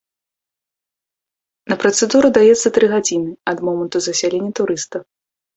На працэдуру даецца тры гадзіны ад моманту засялення турыста.